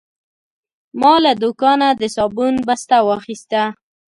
ما له دوکانه د صابون بسته واخیسته.